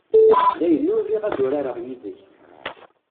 Dayen ur riɣ ad urareɣ yid-k.